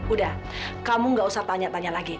udah kamu gak usah tanya tanya lagi